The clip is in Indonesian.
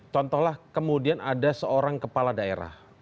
contohlah kemudian ada seorang kepala daerah